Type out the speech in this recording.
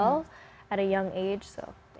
pada umur muda